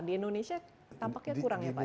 di indonesia tampaknya kurang ya pak